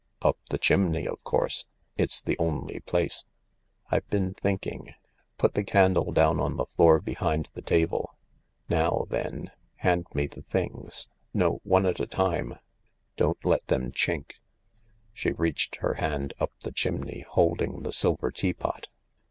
" Up the chimney, of course. It's the only place. I've been thinking. Put the candle down on the floor behind the table. Now then — hand me the things. No — one at a time. Don't let them chink." She reached her hand up the chimney, holding the silver tea pot.